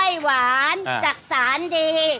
อ้อยหวานจักษานดี